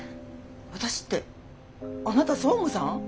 「私」ってあなた総務さん？